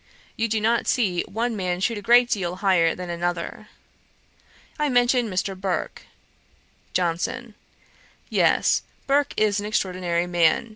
You do not see one man shoot a great deal higher than another.' I mentioned Mr. Burke. JOHNSON. 'Yes; Burke is an extraordinary man.